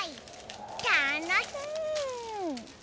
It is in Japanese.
たのしい！